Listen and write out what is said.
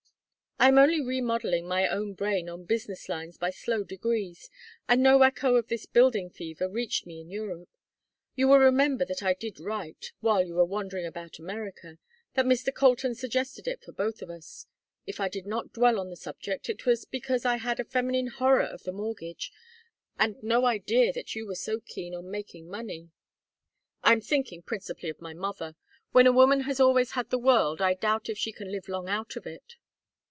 "I am only remodelling my own brain on business lines by slow degrees, and no echo of this building fever reached me in Europe. You will remember that I did write, while you were wandering about America, that Mr. Colton suggested it for both of us. If I did not dwell on the subject it was because I had a feminine horror of the mortgage and no idea that you were so keen on making money." "I am thinking principally of my mother. When a woman has always had the world I doubt if she can live long out of it.